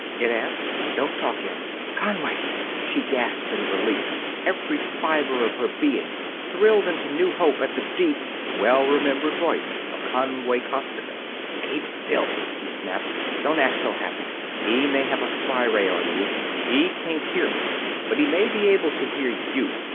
it asked. "Don't talk yet...." "Conway!" she gasped in relief, every fiber of her being thrilled into new hope at the deep, well remembered voice of Conway Costigan. "Keep still!" he snapped. "Don't act so happy! He may have a spy ray on you. He can't hear me, but he may be able to hear you.